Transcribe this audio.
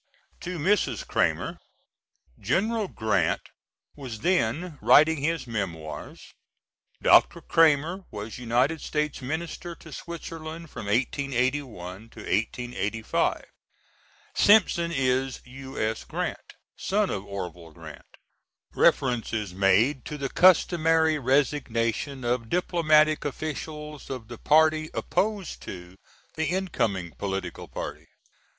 [To Mrs. Cramer. General Grant was then writing his Memoirs. Dr. Cramer was United States Minister to Switzerland from 1881 to 1885. Simpson is U.S. Grant, son of Orvil Grant. Reference is made to the customary resignation of diplomatic officials of the party opposed to the incoming political party.